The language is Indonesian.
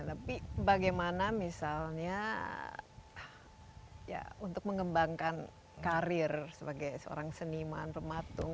tapi bagaimana misalnya ya untuk mengembangkan karir sebagai seorang seniman pematung